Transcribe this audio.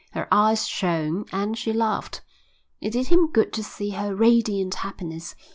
Her eyes shone and she laughed. It did him good to see her radiant happiness.